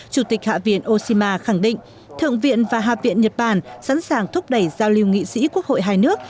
chủ tịch hạ viện osima khẳng định thượng viện và hạ viện nhật bản sẵn sàng thúc đẩy giao lưu nghị sĩ quốc hội hai nước